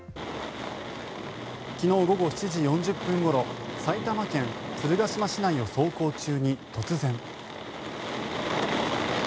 昨日午後７時４０分ごろ埼玉県鶴ヶ島市内を走行中に突然。